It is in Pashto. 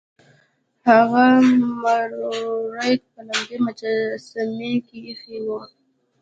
هغه مروارید په لمدې مجسمې کې ایښی و.